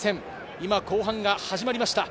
今、後半が始まりました。